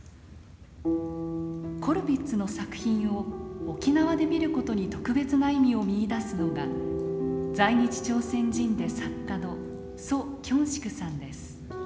コルヴィッツの作品を沖縄で見る事に特別な意味を見いだすのが在日朝鮮人で作家の徐京植さんです。